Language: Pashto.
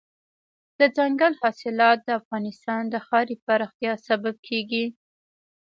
دځنګل حاصلات د افغانستان د ښاري پراختیا سبب کېږي.